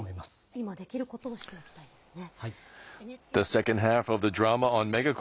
今できることをしておきたいですね。